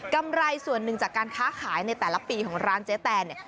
ำไรส่วนหนึ่งจากการค้าขายในแต่ละปีของร้านเจ๊แตนเนี่ย